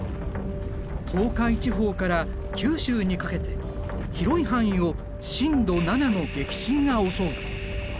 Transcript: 東海地方から九州にかけて広い範囲を震度７の激震が襲う。